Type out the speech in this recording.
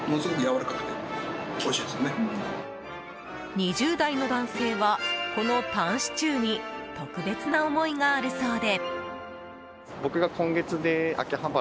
２０代の男性はこのタンシチューに特別な思いがあるそうで。